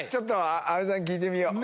阿部さんに聞いてみよう。